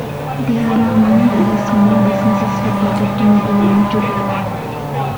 There are many other small businesses located in Gulen today.